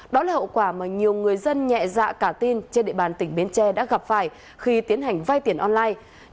đó là hậu quả mà nhiều người dân nhẹ dạ cả tin trên địa bàn tỉnh bến tre đã gặp phải khi tiến hành vay tiền online